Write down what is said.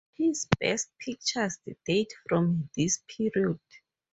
His best pictures date from this period.